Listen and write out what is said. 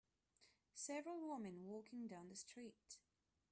Several women walking down the street.